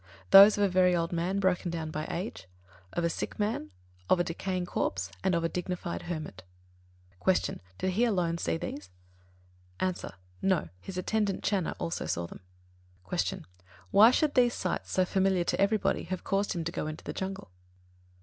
Those of a very old man broken down by age, of a sick man, of a decaying corpse, and of a dignified hermit. 36. Q. Did he alone see these? A. No, his attendant, Channa, also saw them. 37. Q. _Why should these sights, so familiar to everybody, have caused him to go to the jungle?